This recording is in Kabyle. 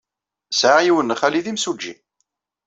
Sɛiɣ yiwen n xali d imsujji.